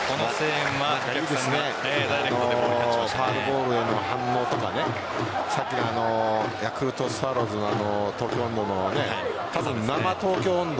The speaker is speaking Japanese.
ファウルボールへの反応とかさっきのヤクルトスワローズの生「東京音頭」